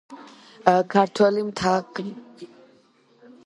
ქართველი მთარგმნელების ვინაობა უცნობია.